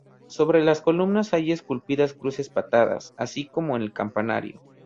Sobre las columnas hay esculpidas cruces patadas, así como en el campanario.